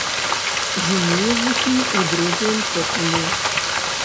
Зімуе вусень ў друзлым кокане.